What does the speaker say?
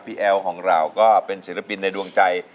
แอลของเราก็เป็นศิลปินในดวงใจ